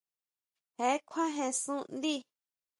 Je kjuajen sun ndí.